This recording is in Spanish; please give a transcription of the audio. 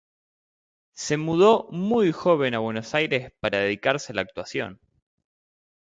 Se mudó muy joven a Buenos Aires para dedicarse a la actuación.